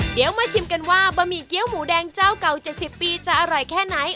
เดี๋ยวมาชิมกันว่าบะหมี่เกี้ยวหมูแดงเจ้าเก่า๗๐ปีจะอร่อยแค่ไหน